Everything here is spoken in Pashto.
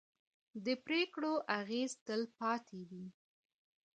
د پرېکړو اغېز تل پاتې وي